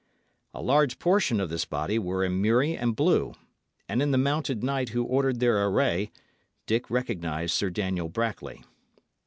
A large portion of this body were in murrey and blue, and in the mounted knight who ordered their array Dick recognised Sir Daniel Brackley.